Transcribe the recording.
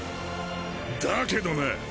だけどな！